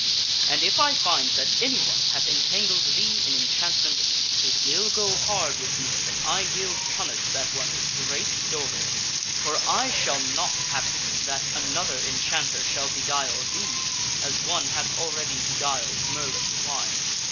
And if I find that anyone hath entangled thee in enchant ments, it will go hard with me but I will punish that one with great dolor. For I shall not have it that another enchanter shall beguile thee as one hath already beguiled Merlin the Wise."